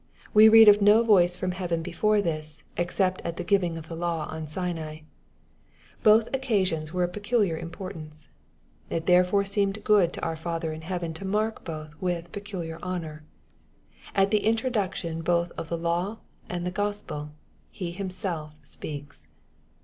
We read of no voice from heaven before this, except at the giving of the law on Sinai. Both occasions were of peculiar importance. It therefore seemed good to our Father in heaven to mark both with peculiar honor. At the introduction both of the law and Gospel, He Himself speaks.